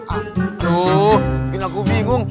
aduh bikin aku bingung